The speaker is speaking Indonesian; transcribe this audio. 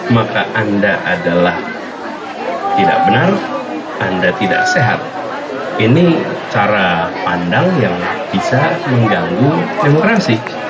maka anda adalah tidak benar anda tidak sehat ini cara pandang yang bisa mengganggu demokrasi